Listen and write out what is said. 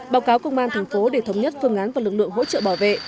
báo cáo công an thành phố để thống nhất phương án và lực lượng hỗ trợ bảo vệ